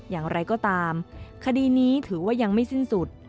อย่างไรก็ตามคดีนี้ถือว่ายังไม่สิ้นสุด